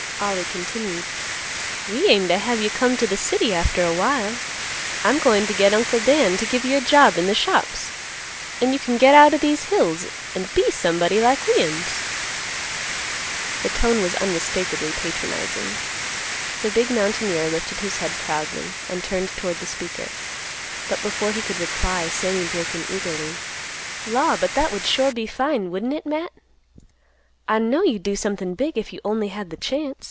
Ollie continued; "We aim t' have you come t' th' city after a while. I'm goin' t' get Uncle Dan t' give you a job in th' shops, an' you can get out o' these hills an' be somebody like we'uns." The tone was unmistakably patronizing. The big mountaineer lifted his head proudly, and turned toward the speaker; but before he could reply, Sammy broke in eagerly, "Law! but that would sure be fine, wouldn't it, Matt? I'd know you'd do somethin' big if you only had the chance.